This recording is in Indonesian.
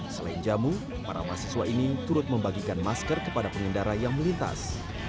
selain jamu para mahasiswa ini turut membagikan masker kepada pengendara yang melintas